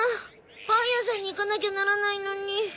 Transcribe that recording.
パン屋さんに行かなきゃならないのに。